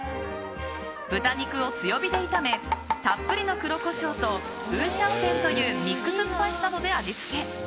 豚肉を強火で炒めたっぷりの黒コショウとウーシャンフェンというミックススパイスなどで味付け。